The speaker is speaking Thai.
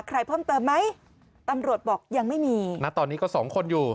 ใครเพิ่มเติมไหมตำรวจบอกยังไม่มีณตอนนี้ก็สองคนอยู่